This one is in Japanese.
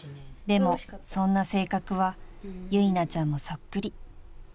［でもそんな性格は由奈ちゃんもそっくり］